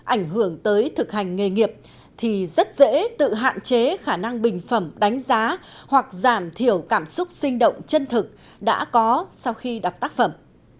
ảnh hưởng tới thực hành nghề nghiệp thì rất dễ tự hạn chế khả năng bình phẩm đánh giá hoặc giảm thiểu cảm xúc sinh động chân thực đã có sau khi đọc tác phẩm